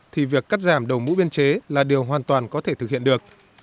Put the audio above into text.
thì việc cắt giảm đầu mũ biên chế là điều hoàn toàn có thể thực hiện được